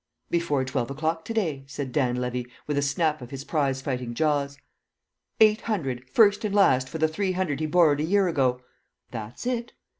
"Before twelve o'clock to day," said Dan Levy, with a snap of his prize fighting jaws. "Eight hundred, first and last, for the three hundred he borrowed a year ago?" "That's it."